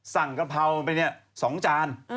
สั่งกะเพราเป็น๒จาน